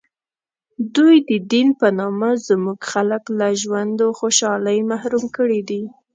دوی د دین په نامه زموږ خلک له ژوند و خوشحالۍ محروم کړي دي.